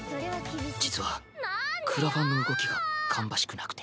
実はクラファンの動きが芳しくなくて。